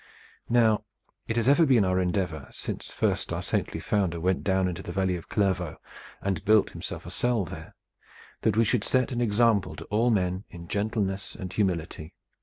Now it has ever been our endeavor, since first our saintly founder went down into the valley of Clairvaux and built himself a cell there, that we should set an example to all men in gentleness and humility.